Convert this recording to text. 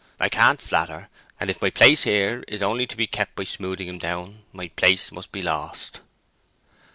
I can't flatter, and if my place here is only to be kept by smoothing him down, my place must be lost."